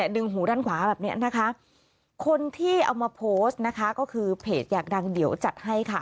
ดึงหูด้านขวาแบบนี้นะคะคนที่เอามาโพสต์นะคะก็คือเพจอยากดังเดี๋ยวจัดให้ค่ะ